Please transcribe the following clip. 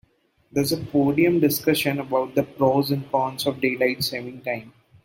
There's a podium discussion about the pros and cons of daylight saving time.